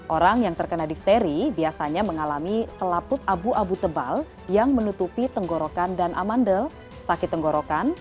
orang yang terkena difteri biasanya mengalami selaput abu abu tebal yang menutupi tenggorokan dan amandel sakit tenggorokan